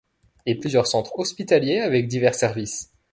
Et plusieurs centres hospitaliers avec divers services.